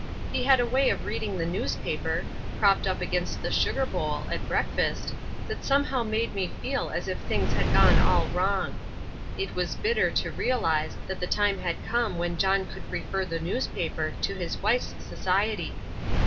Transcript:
He had a way of reading the newspaper, propped up against the sugar bowl, at breakfast, that somehow made me feel as if things had gone all wrong. It was bitter to realize that the time had come when John could prefer the newspaper to his wife's society.